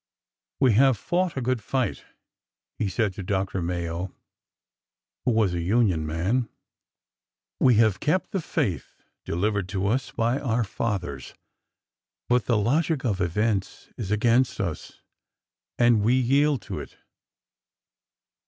We have ' fought a good fight,' " he said to Dr. Mayo, who was a Union man ; we ^ have kept the faith ' de livered to us by our fathers, but the logic of events is against us, and we yield to it."